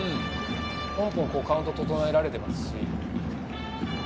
ポンポン、カウントを整えられていますし。